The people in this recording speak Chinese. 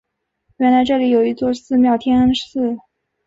原来这里有一座寺庙天安寺。